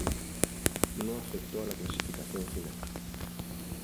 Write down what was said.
No afectó a la clasificación final.